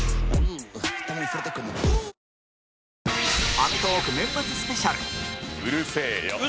『アメトーーク』年末スペシャルうるせえよ。